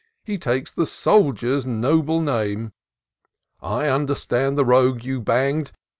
He takes the soldier's noble name. I understand the rogue you bang'd.